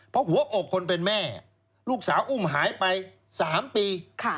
เพราะหัวอกคนเป็นแม่ลูกสาวอุ้มหายไป๓ปี